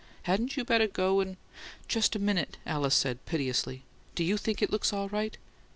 Hadn't you better go and " "Just a minute." Alice said, piteously. "Do YOU think it looks all right?"